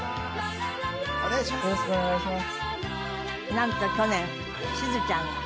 なんと去年しずちゃんがご結婚。